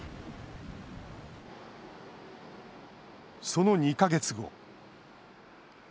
その２か月後。